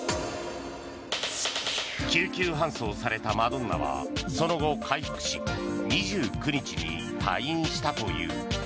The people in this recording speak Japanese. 救急搬送されたマドンナはその後、回復し２９日に退院したという。